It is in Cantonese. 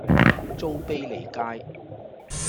租庇利街